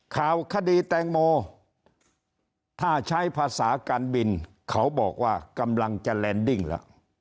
ข่าวคดีแตงโมถ้าใช้ภาษาการบินเขาบอกว่ากำลังจะแลนดิ้งละ